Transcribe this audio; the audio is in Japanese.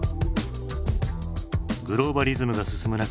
グローバリズムが進む中